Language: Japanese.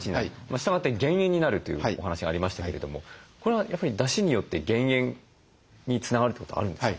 したがって減塩になるというお話がありましたけれどもこれはやっぱりだしによって減塩につながるってことがあるんですか？